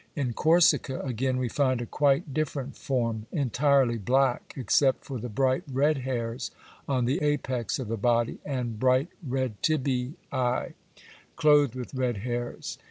In Corsica again we find a quite different form; entirely black except for the bright red hairs on the apex of the body, and bright red tibiæ, clothed with red hairs.